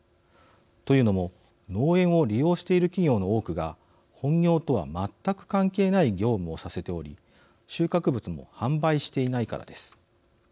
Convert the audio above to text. というのも農園を利用している企業の多くが本業とは全く関係ない業務をさせており収穫物も販売していないからです。